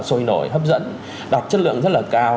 sôi nổi hấp dẫn đạt chất lượng rất là cao